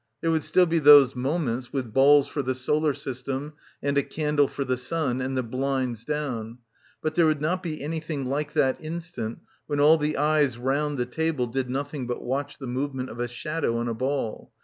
There would still be those moments, with balls for the solar system and a candle for the sun, and the blinds down. But there would not be anything like that instant when all the eyes round the table did nothing but watch the movement of a shadow on a ball